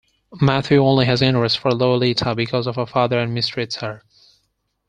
Mathieu only has interest for Lolita because of her father and mistreats her.